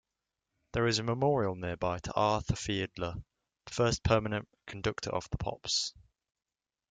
There is a memorial nearby to Arthur Fiedler, first permanent conductor of the Pops.